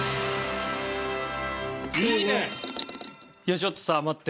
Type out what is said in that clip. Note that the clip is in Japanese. ちょっとさ待って。